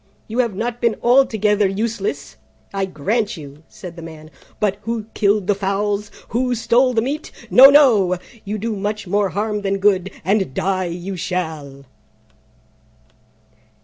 "You have not been altogether useless, I grant you," said the Man: "but who killed the fowls? Who stole the meat? No, no! You do much more harm than good, and die you shall."